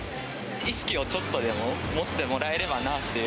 意識をちょっとでも持ってもらえればなって。